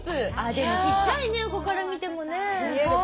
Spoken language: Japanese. でもちっちゃいね横から見てもね。